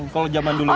kalau zaman dulu itu